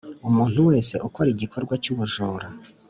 Umuntu wese ukora igikorwa cy ubujura